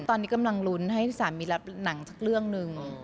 ตอนนี้กำลังลุ้นให้สามีรับหนังสักเรื่องหนึ่ง